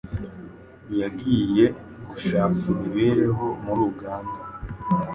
yagiye gushaka imibereho muri Uganda